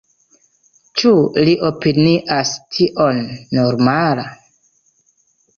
Ĉu li opinias tion normala?